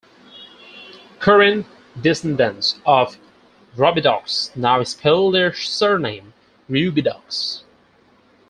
Current descendants of Robidoux now spell their surname Rubidoux.